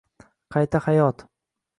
Qayta hayot